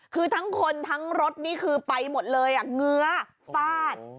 คือทั้งคนทั้งรถนี่คือไปหมดเลยเงื้อฟาด